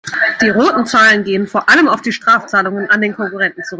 Die roten Zahlen gehen vor allem auf die Strafzahlungen an den Konkurrenten zurück.